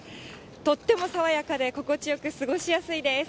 とっても爽やかで心地よく過ごしやすいです。